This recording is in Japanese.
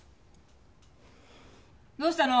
どうしたの？